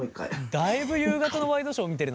だいぶ夕方のワイドショー見てるな！